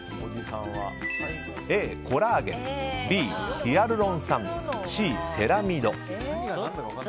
Ａ、コラーゲンＢ、ヒアルロン酸Ｃ、セラミド。